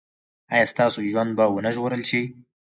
ایا ستاسو ژوند به و نه ژغورل شي؟